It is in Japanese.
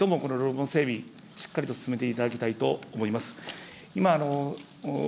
ぜひとも、この路網整備、しっかりと進めていただきたいと思います。